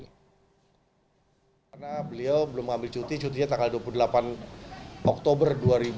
karena beliau belum ambil cuti cutinya tanggal dua puluh delapan oktober dua ribu enam belas